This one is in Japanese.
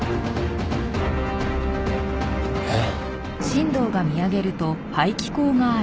えっ？